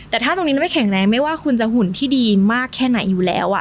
แต่ถ้าตรงนี้ไม่แข็งแรงไม่ว่าคุณจะหุ่นที่ดีมากแค่ไหนอยู่แล้ว